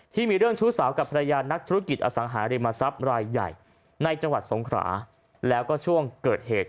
ที่มีเรื่องชู้สาวกับภรรยานักธุรกิจอสังหาริมทรัพย์รายใหญ่ในจังหวัดสงขราแล้วก็ช่วงเกิดเหตุ